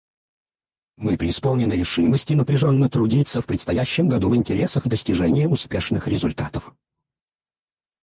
Мы преисполнены решимости напряженно трудиться в предстоящем году в интересах достижения успешных результатов.